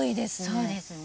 そうですね